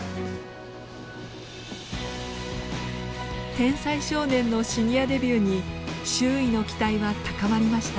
天才少年のシニアデビューに周囲の期待は高まりました。